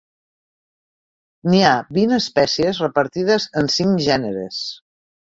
N'hi ha vint espècies repartides en cinc gèneres.